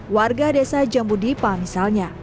warga desa jambudipa misalnya